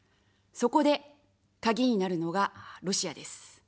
そこで鍵になるのがロシアです。